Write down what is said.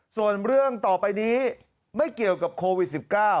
ส่วนเรื่องต่อไปนี้ไม่เกี่ยวกับโควิด๑๙